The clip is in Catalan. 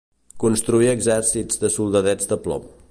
Constituir exèrcits de soldadets de plom.